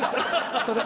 すいません。